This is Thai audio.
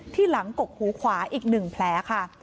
ที่หลังกกหูขวาอีกหนึ่งแผลค่ะ